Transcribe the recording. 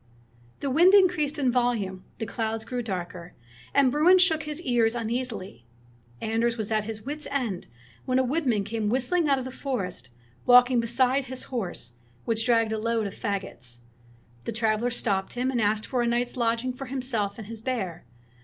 The wind increased in violence, the clouds grew darker, and Bruin shook his ears un easily. Anders was at his wits' end, when a woodman came whistling out of the forest, walking beside his horse, which dragged a load of fagots. The traveler stopped him and asked for a night's lodging for himself and his bear.